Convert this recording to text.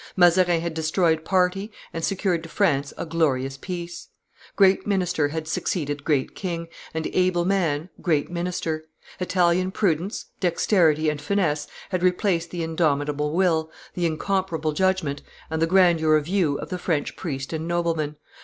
Mazarin had destroyed party and secured to France a glorious peace. Great minister had succeeded great king, and able man great minister; Italian prudence, dexterity, and finesse had replaced the indomitable will, the incomparable judgment, and the grandeur of view of the French priest and nobleman.